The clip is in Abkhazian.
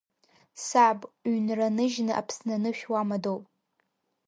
Саб, уҩнра ныжьны Аԥсны анышә уамадоуп.